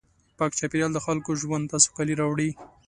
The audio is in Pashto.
پاک چاپېریال د خلکو ژوند ته سوکالي راوړي.